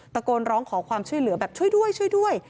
ตะโกนร้องขอความช่วยเหลือแบบช่วยด้วยช่วยด้วย